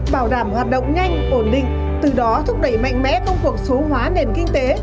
bảo đảm hoạt động nhanh ổn định từ đó thúc đẩy mạnh mẽ công cuộc số hóa nền kinh tế